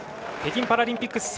北京パラリンピック